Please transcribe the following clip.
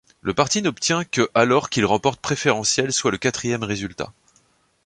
Le parti n'obtient que alors qu'il remporte préférentielles soit le quatrième résultat.